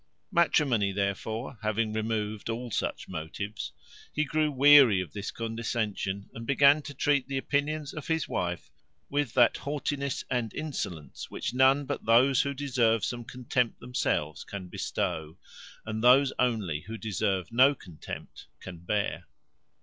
Matrimony, therefore, having removed all such motives, he grew weary of this condescension, and began to treat the opinions of his wife with that haughtiness and insolence, which none but those who deserve some contempt themselves can bestow, and those only who deserve no contempt can bear.